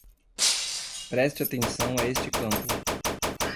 Preste atenção a este campo